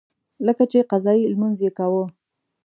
لکه چې قضایي لمونځ یې کاوه.